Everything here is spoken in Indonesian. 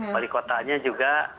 wali kotanya juga